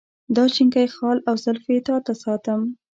دا شینکی خال او زلفې تا ته ساتم.